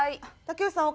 竹内さん